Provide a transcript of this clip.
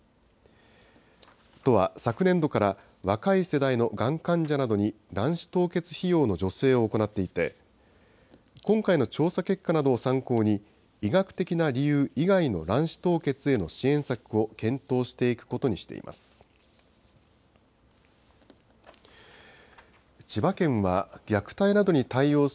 都は、昨年度から、若い世代のがん患者などに卵子凍結費用の助成を行っていて、今回の調査結果などを参考に、医学的な理由以外の卵子凍結への支援策を検討していくことにしています。